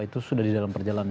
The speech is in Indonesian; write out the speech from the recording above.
itu sudah di dalam perjalanan